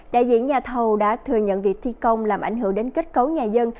đại diện nhà thầu đã thừa nhận việc thi công làm ảnh hưởng đến kết cấu nhà dân